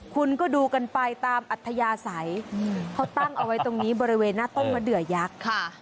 คุณก็ดูกันไปตามอัธยาศัยเขาตั้งเอาไว้ตรงนี้บริเวณหน้าต้นมะเดือยักษ์ค่ะ